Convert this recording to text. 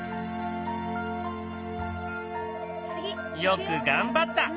よく頑張った！